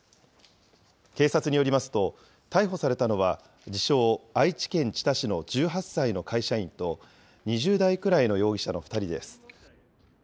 警察によりますと、逮捕されたのは自称、愛知県知多市の１８歳の会社員と、２０代くらいの容疑者の２人です。